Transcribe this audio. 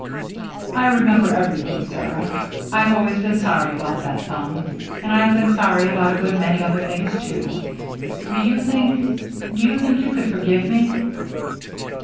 "I remember everything, Sarah. I've always been sorry about that thumb and I've been sorry about a good many other things since. Do you think do you think you could forgive me?"